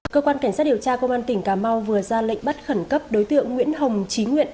cơ quan cảnh sát điều tra công an tỉnh cà mau vừa ra lệnh bắt khẩn cấp đối tượng nguyễn hồng trí nguyện